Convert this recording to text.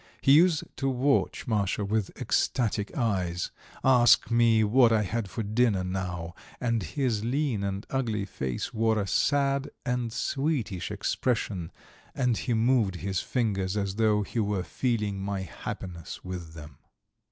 He used to watch Masha with ecstatic eyes, ask me what I had for dinner now, and his lean and ugly face wore a sad and sweetish expression, and he moved his fingers as though he were feeling my happiness with them.